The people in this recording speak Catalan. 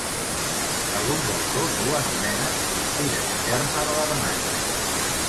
Alguns autors ho anomenen "sortida interna de l'armari".